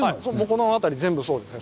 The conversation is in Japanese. この辺り全部そうですね。